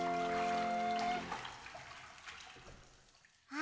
あ！